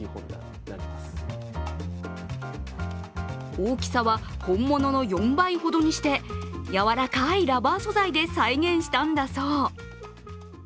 大きさは本物の４倍ほどにして柔らかいラバー素材で再現したんだそう。